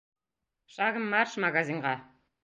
Шагом марш магазинға!